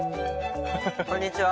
こんにちは。